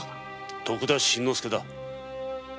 徳田新之助だ。